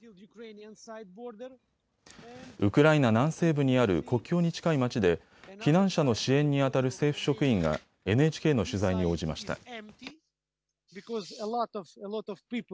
ウクライナ南西部にある国境に近い町で避難者の支援にあたる政府職員がＮＨＫの取材に応じました。